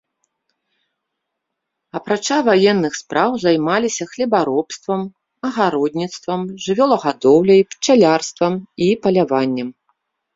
Апрача ваенных спраў займаліся хлебаробствам, агародніцтвам, жывёлагадоўляй, пчалярствам і паляваннем.